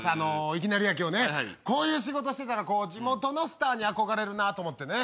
いきなりやけどねこういう仕事してたら地元のスターに憧れるなと思ってね。